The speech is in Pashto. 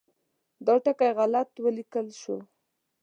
دا ټکی غلط ولیکل شو.